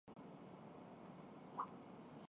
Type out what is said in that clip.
دوسروں کی ضروریات کا اندازہ لگا لیتا ہوں